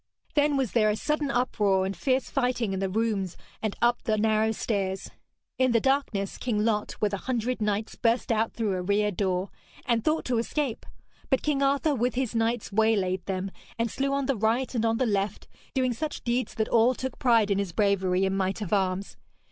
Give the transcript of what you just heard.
Then was there a sudden uproar and fierce fighting in the rooms and up the narrow stairs. In the darkness King Lot, with a hundred knights, burst out through a rear door, and thought to escape; but King Arthur with his knights waylaid them, and slew on the right and on the left, doing such deeds that all took pride in his bravery and might of arms.